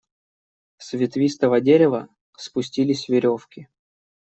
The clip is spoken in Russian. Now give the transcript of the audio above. С ветвистого дерева спустились веревки.